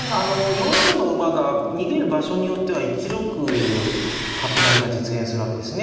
４三の馬が逃げる場所によっては１六角成が実現するわけですね。